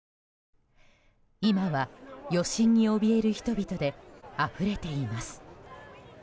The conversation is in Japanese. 今は余震におびえる人々であふれています。